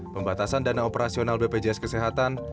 pembatasan dana operasional bpjs kesehatan